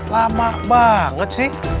lama banget sih